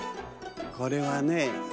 これはね